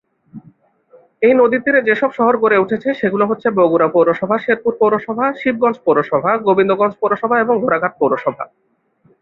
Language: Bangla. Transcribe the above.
এই নদীর তীরে যেসব শহর গড়ে উঠেছে সেগুলো হচ্ছে বগুড়া পৌরসভা, শেরপুর পৌরসভা, শিবগঞ্জ পৌরসভা, গোবিন্দগঞ্জ পৌরসভা এবং ঘোড়াঘাট পৌরসভা।